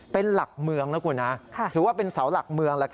เป็นหลักเมืองนะคุณนะถือว่าเป็นเสาหลักเมือง